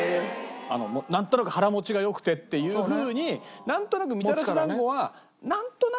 なんとなく腹持ちが良くてっていうふうになんとなく。